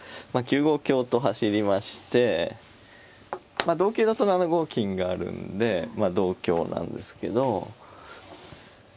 ９五香と走りましてまあ同桂だと７五金があるんでまあ同香なんですけど。